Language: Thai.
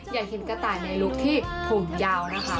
อยากเห็นกระต่ายในลุคที่ผมยาวนะคะ